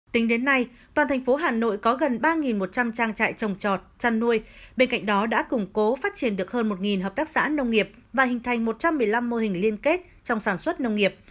tính đến nay toàn thành phố hà nội có gần ba một trăm linh trang trại trồng trọt chăn nuôi bên cạnh đó đã củng cố phát triển được hơn một hợp tác xã nông nghiệp và hình thành một trăm một mươi năm mô hình liên kết trong sản xuất nông nghiệp